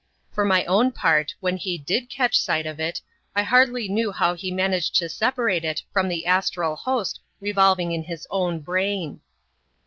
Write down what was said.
For my own part, when he did catch sight of it, I hardly knew how he managed to separate it from the astral host revolving in his own brain.